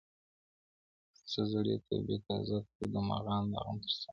ځه زړې توبې تازه کړو د مغان د خُم تر څنګه -